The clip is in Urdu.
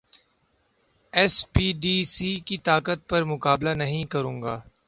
ایس پی، ڈی سی کی طاقت پر مقابلہ نہیں کروں گا